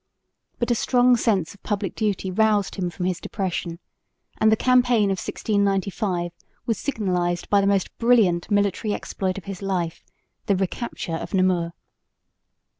But a strong sense of public duty roused him from his depression; and the campaign of 1695 was signalised by the most brilliant military exploit of his life, the recapture of Namur.